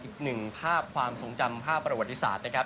อีกหนึ่งภาพความทรงจำภาพประวัติศาสตร์นะครับ